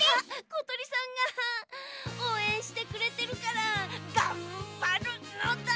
ことりさんがおうえんしてくれてるからがんばるのだ！